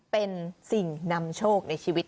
เป็นสิ่งนำโชคในชีวิต